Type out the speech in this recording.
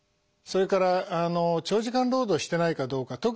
それから長時間労働をしてないかどうか。